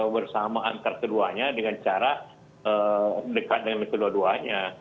bersama antar keduanya dengan cara dekat dengan kedua duanya